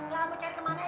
enggak mau cari kemana ya